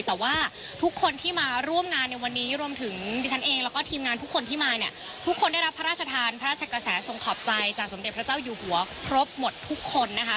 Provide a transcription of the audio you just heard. แต่ว่าทุกคนที่มาร่วมงานในวันนี้รวมถึงดิฉันเองแล้วก็ทีมงานทุกคนที่มาเนี่ยทุกคนได้รับพระราชทานพระราชกระแสทรงขอบใจจากสมเด็จพระเจ้าอยู่หัวครบหมดทุกคนนะคะ